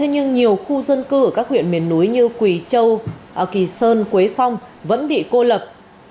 nhưng nhiều khu dân cư ở các huyện miền núi như quỳ châu kỳ sơn quế phong vẫn bị cô lập